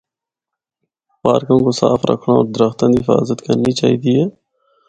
پارکاں کو صاف رکھنڑا ہور درختاں دی حفاظت کرنی چاہے دی ہے۔